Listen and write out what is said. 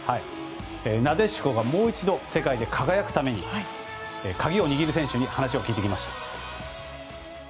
なでしこがもう一度世界で輝くために鍵を握る選手に話を聞いてきました。